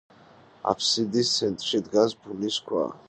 აბსიდის ცენტრში დგას ბუნის ქვა.